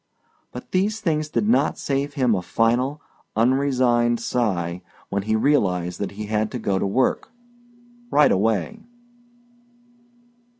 But these things did not save him a final, unresigned sigh when he realized that he had to go to work right away.